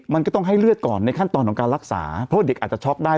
มันก็ต้องให้เลือดก่อนในขั้นตอนของการรักษาเพราะว่าเด็กอาจจะช็อกได้